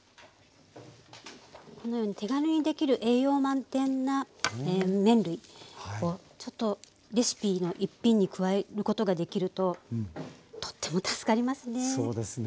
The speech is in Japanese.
このように手軽にできる栄養満点な麺類をレシピの一品に加えることができるととっても助かりますね。